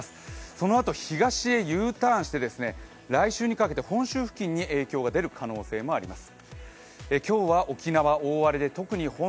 そのあと東へＵターンして、来週にかけて本州付近に影響が出る可能性もあります。